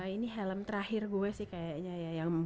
ini helm terakhir gue sih kayaknya ya